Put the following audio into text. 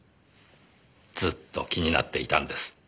ずっと気になっていたんです。